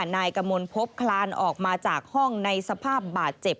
นายกมลพบคลานออกมาจากห้องในสภาพบาดเจ็บ